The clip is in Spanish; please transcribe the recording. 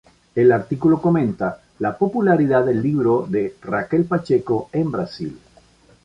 El artículo comenta la popularidad del libro de Raquel Pacheco en Brasil.